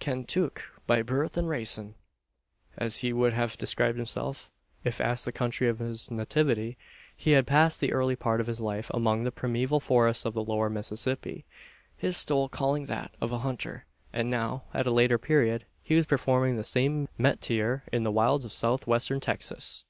"Kaintuck, by birth an raisin'," as he would have described himself, if asked the country of his nativity he had passed the early part of his life among the primeval forests of the Lower Mississippi his sole calling that of a hunter; and now, at a later period, he was performing the same metier in the wilds of south western Texas.